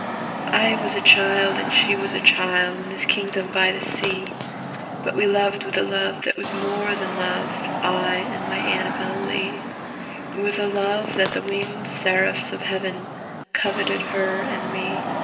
I was a child and She was a child, In this kingdom by the sea, But we loved with a love that was more than love— I and my ANNABEL LEE— With a love that the wingéd seraphs of Heaven Coveted her and me.